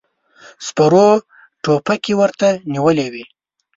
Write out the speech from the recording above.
سپرو ټوپکې ورته نيولې وې.